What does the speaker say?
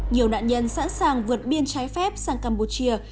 nhiều nạn nhân sẵn sàng vượt biên trái phép sang campuchia